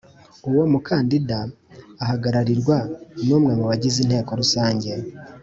uwo mukandida ahagararirwa n’ umwe mubagize inteko rusange